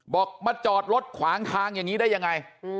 มาจอดรถขวางทางอย่างนี้ได้ยังไง